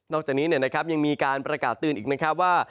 จากนี้ยังมีการประกาศเตือนอีกนะครับว่า